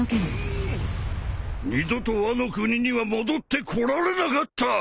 二度とワノ国には戻ってこられなかった。